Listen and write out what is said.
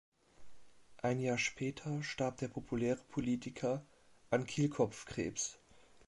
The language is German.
Ein Jahr später starb der populäre Politiker an Kehlkopfkrebs.